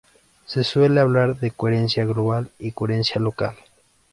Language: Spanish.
Se suele hablar de coherencia global, y coherencia local.